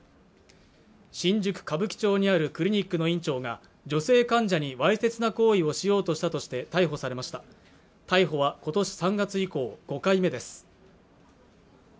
新宿・歌舞伎町にあるクリニックの院長が女性患者にわいせつな行為をしようとしたとして逮捕されました逮捕はことし３月以降５回目です